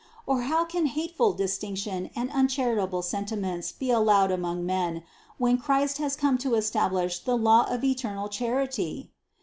Or how can hateful distinc tion and uncharitable sentiments be allowed among men, when Christ has come to establish the law of eternal charity?